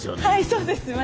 はいそうです。